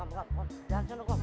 jangan jangan jangan seneng kok